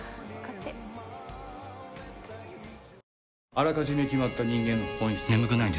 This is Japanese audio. あらかじめ決まった人間の本質はありません。